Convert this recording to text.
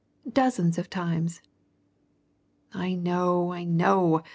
Dozens of times!" "I know I know!"